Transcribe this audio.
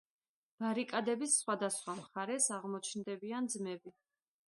ბარიკადების სხვადასხვა მხარეს აღმოჩნდებიან ძმები.